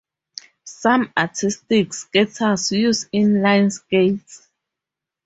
Some artistic skaters use inline skates.